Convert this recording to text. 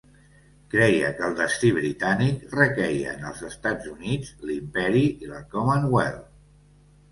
Creia que el destí britànic requeia en els Estats Units, l'imperi i la Commonwealth.